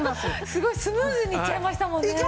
すごいスムーズにいっちゃいましたもんね。